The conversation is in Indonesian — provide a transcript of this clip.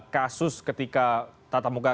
kasus ketika tatap muka